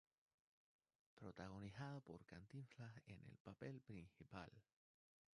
Protagonizada por Cantinflas en el papel principal.